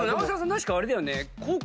確かあれだよね。